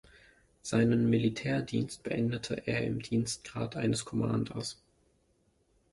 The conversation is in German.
Seinen Militärdienst beendete er im Dienstgrad eines Commanders.